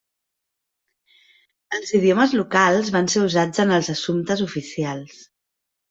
Els idiomes locals van ser usats en els assumptes oficials.